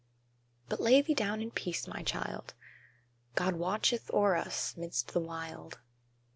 But lay thee down in peace, my child, God watcheth o'er us 'midst the wild.